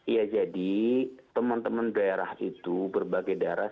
ya jadi teman teman daerah itu berbagai daerah